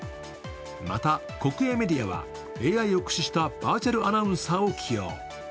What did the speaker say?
また国営メディアは、ＡＩを駆使したバーチャルアナウンサーを器用。